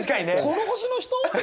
この星の人？